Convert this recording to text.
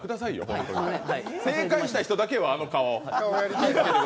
正解した人だけよ、あの顔。